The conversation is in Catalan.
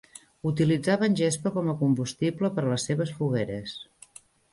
Utilitzaven gespa com a combustible per a les seves fogueres.